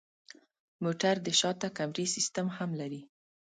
موټر د شاته کمرې سیستم هم لري.